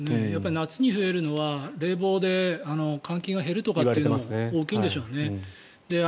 夏に増えるのは冷房で換気が減るというのが大きいんでしょうね。